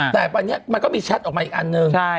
แต่วันนี้มันก็มีแชทออกมาอีกอันหนึ่ง